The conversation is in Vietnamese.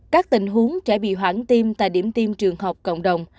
các tình huống trẻ bị hoãn tiêm tại điểm tiêm trường học cộng đồng